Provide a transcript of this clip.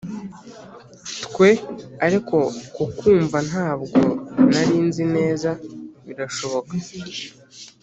twe, ariko kukwumva ntabwo nari nzi neza. birashoboka